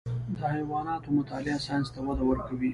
د حیواناتو مطالعه ساینس ته وده ورکوي.